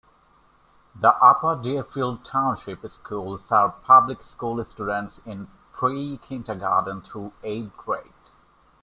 The Upper Deerfield Township Schools serve public school students in pre-kindergarten through eighth grade.